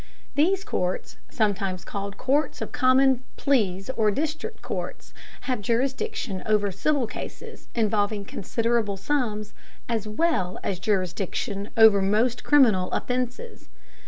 These courts, sometimes called courts of common pleas or district courts, have jurisdiction over civil cases involving considerable sums, as well as jurisdiction over most criminal offenses.